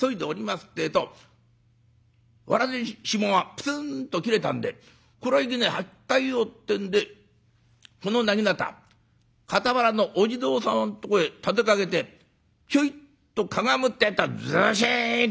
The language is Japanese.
ってえとわらじのひもがプツンと切れたんで「こらいけねえ。履き替えよう」ってんでこのなぎなた傍らのお地蔵さんのとこへ立てかけてひょいっとかがむってえとずしんと。